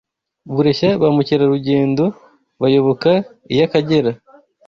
bureshya bamukerarugendo bayoboka iy’Akagera